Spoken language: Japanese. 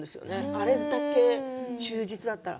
あれだけ忠実だったら。